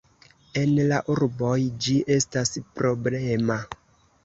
En la urboj, ĝi estas problema.